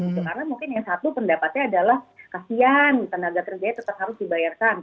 karena mungkin yang satu pendapatnya adalah kasihan tenaga kerjanya tetap harus dibayarkan